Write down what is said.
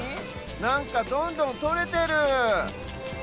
なんかどんどんとれてる！